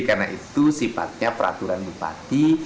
karena itu sifatnya peraturan bupati